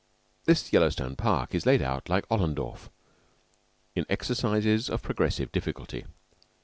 This Yellowstone Park is laid out like Ollendorf, in exercises of progressive difficulty.